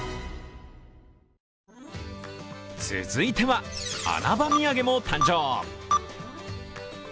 続いては、穴場土産も誕生。